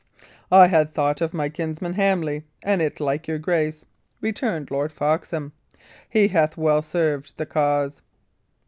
"I had thought of my kinsman, Hamley, an it like your grace," returned Lord Foxham. "He hath well served the cause."